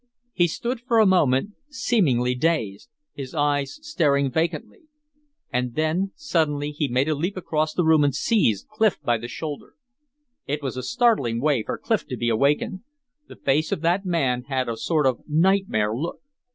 He stood for a moment seemingly dazed, his eyes staring vacantly. And then suddenly he made a leap across the room and seized Clif by the shoulder. It was a startling way for Clif to be awakened; the face of that man had a sort of nightmare look.